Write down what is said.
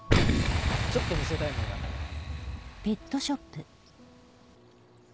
ちょっと見せたいものがあるんだけど。